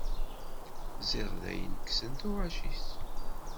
Ziɣ dayen kksen tuɣac-is.